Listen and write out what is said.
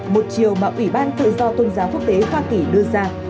một chiều mà ủy ban tự do tôn giáo quốc tế hoa kỳ đưa ra